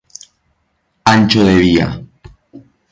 Ancho de vía